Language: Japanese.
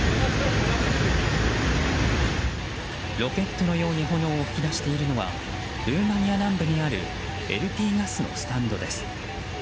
ロケットのように炎を噴き出しているのはルーマニア南部にあるＬＰガスのスタンドです。